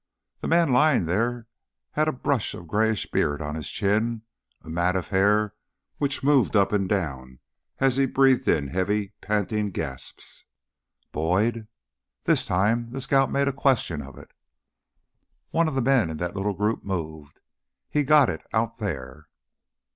The man lying there had a brush of grayish beard on his chin, a mat of hair which moved up and down as he breathed in heavy, panting gasps. "Boyd?" This time the scout made a question of it. One of the men in that little group moved. "He got it out there."